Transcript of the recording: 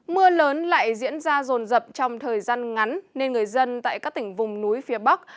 mưa lớn lại diễn ra rồn rập trong thời gian ngắn nên người dân tại các tỉnh vùng núi phía bắc